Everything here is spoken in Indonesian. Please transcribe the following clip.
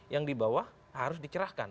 yang di bawah harus dicerahkan